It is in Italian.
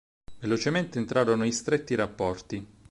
Velocemente entrarono in stretti rapporti.